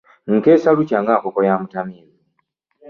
Nkeesa lukya nga nkoko ya mutamivu.